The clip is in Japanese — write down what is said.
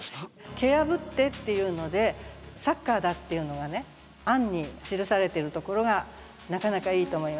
「蹴やぶって」っていうのでサッカーだっていうのが暗に記されているところがなかなかいいと思います。